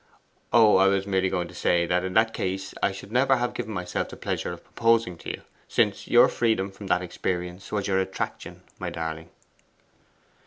'Oh, I was merely going to say that in that case I should never have given myself the pleasure of proposing to you, since your freedom from that experience was your attraction, darling.